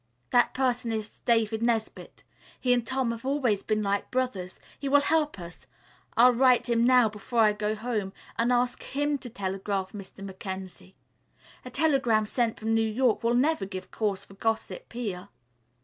That person is David Nesbit. He and Tom have always been like brothers. He will help us. I'll write him now, before I go home, and ask him to telegraph Mr. Mackenzie. A telegram sent from New York will never give cause for gossip here."